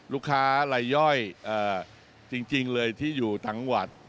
ลูกค้าลายย่อยจริงเลยที่อยู่จังหวัด